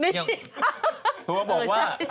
ทุกคนบอกว่า